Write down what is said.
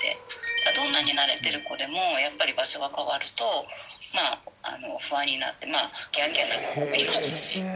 どんなになれてる子でもやっぱり場所が変わるとまぁ不安になってギャンギャン鳴く子もいますし。